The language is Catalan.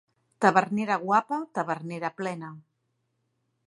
Tavernera guapa, taverna plena.